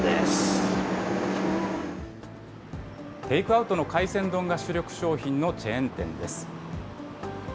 テイクアウトの海鮮丼が主力商品のチェーン店です。